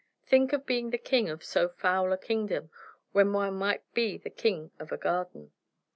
Think of being the king of so foul a kingdom when one might be the king of a garden.